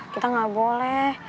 kita gak boleh